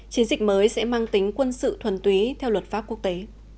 chiến dịch mới sẽ mang tính quân sự thuần túy theo luật pháp quốc tế